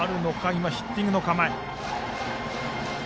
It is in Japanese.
今はヒッティングの構え。